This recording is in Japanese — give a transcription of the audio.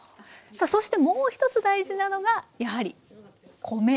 さあそしてもう一つ大事なのがやはり米です。